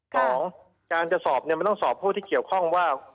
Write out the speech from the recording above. ของการจะสอบเนี่ยมันต้องสอบผู้ที่เกี่ยวข้องว่า